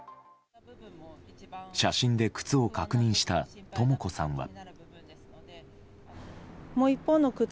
写真で靴を確認したとも子さんは。